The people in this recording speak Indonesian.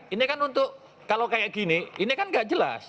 ini kan untuk kalau kayak gini ini kan gak jelas